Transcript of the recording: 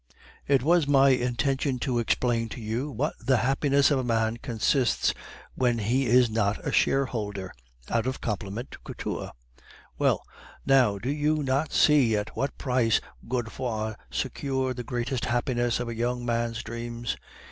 "It was my intention to explain to you in what the happiness of a man consists when he is not a shareholder (out of compliment to Couture). Well, now, do you not see at what a price Godefroid secured the greatest happiness of a young man's dreams?